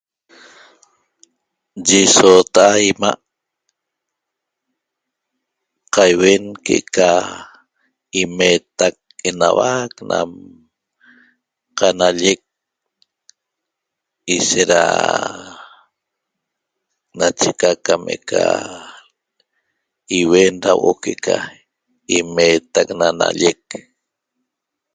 Ye soota' ima' qaiuen que'eca imetac enuac nam qanallec ishet ra nacheca cam eca iuetauo' que'eca imeetac na nallec